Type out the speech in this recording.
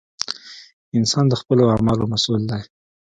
• انسان د خپلو اعمالو مسؤل دی.